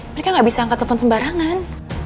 mereka nggak bisa angkat telepon sembarangan